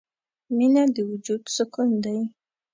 • مینه د وجود سکون دی.